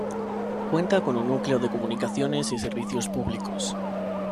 Cuenta con un núcleo de comunicaciones y servicios públicos.